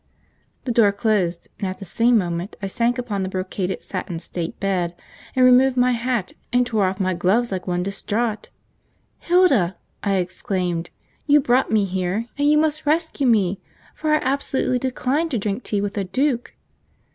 The door closed, and at the same moment I fell upon the brocaded satin state bed and tore off my hat and gloves like one distraught. "Hilda," I gasped, "you brought me here, and you must rescue me, for I absolutely decline to drink tea with a duke."